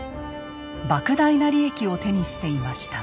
ばく大な利益を手にしていました。